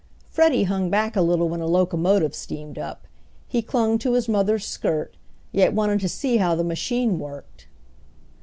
Freddie hung back a little when a locomotive steamed up. He clung to his mother's skirt, yet wanted to see how the machine worked.